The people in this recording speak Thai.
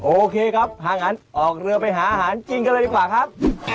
โอเคครับหากงั้นออกเรือไปหาอาหารกินกันเลยดีกว่าครับ